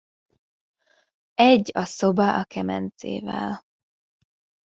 Egy a szoba a kemencével.